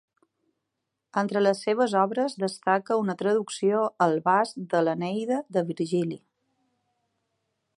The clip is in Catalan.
Entre les seves obres destaca una traducció al basc de l'Eneida de Virgili.